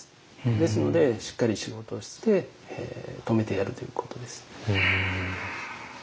ですのでしっかり仕事をして止めてやるということですね。